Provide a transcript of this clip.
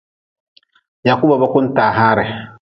Yaku ba boku-n taa haare.